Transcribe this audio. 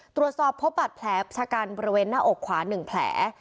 ตรวจสอบพบปัดแผลประชาการบริเวณหน้าอกขวา๑แผล